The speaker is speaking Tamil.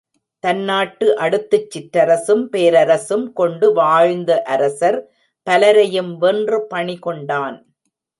தன்னாட்டை அடுத்துச் சிற்றரசும், பேரரசும் கொண்டு வாழ்ந்த அரசர் பலரையும் வென்று பணி கொண்டான்.